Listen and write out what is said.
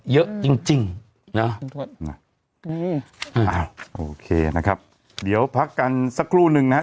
เยอะจริงจริงนะนี่อ่าโอเคนะครับเดี๋ยวพักกันสักครู่นึงนะครับ